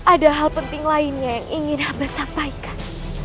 ada hal penting lainnya yang ingin habib sampaikan